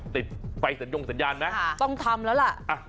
ติดไปสัญญาณนะต้องทำแล้วล่ะ